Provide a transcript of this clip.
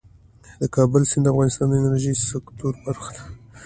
د کابل سیند د افغانستان د انرژۍ سکتور برخه ده.